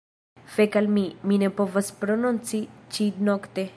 Fek al mi, mi ne povas prononci ĉi-nokte!